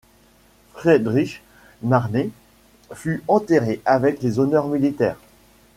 Friedrich Marnet fut enterré avec les honneurs militaires.